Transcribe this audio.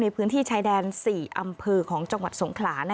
ในพื้นที่ชายแดน๔อำเภอของจังหวัดสงขลา